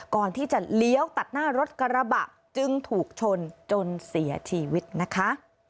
ก่อนที่จะเลี้ยวตัดหน้ารถกระบะจึงถูกชนจนเสียชีวิตนะคะ